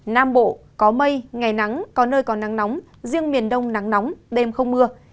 nam bộ có mây ngày nắng có nơi còn nắng nóng riêng miền đông nắng nóng đêm không mưa